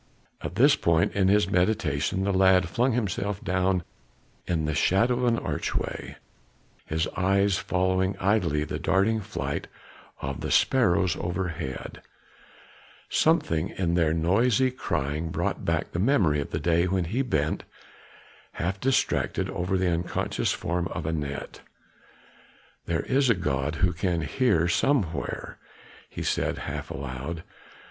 At this point in his meditation the lad flung himself down in the shadow of an archway, his eyes following idly the darting flight of the sparrows overhead; something in their noisy crying brought back the memory of the day when he bent half distracted over the unconscious form of Anat. "There is a God who can hear somewhere," he said half aloud.